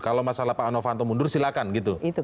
kalau masalah pak novanto mundur silahkan gitu